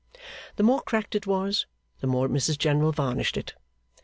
The more cracked it was, the more Mrs General varnished it.